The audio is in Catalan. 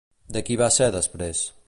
De qui va ser després?